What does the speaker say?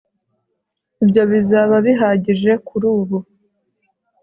ibyo bizaba bihagije kuri ubu